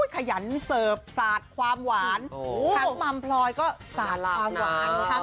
ขยันเสิร์ฟสระความหวานทั้งมัมพลอยก็สระพัน